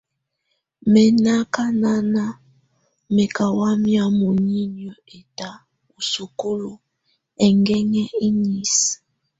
Mɛ̀ nà akana mɛ ka wamɛ̀á munyinyǝ ɛta u sukulu ɛkɛŋɛ inisǝ.